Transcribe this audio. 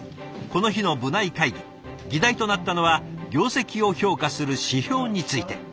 この日の部内会議議題となったのは業績を評価する指標について。